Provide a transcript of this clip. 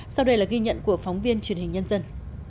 sau đây là ghi nhận của phóng viên truyền hình nhân dân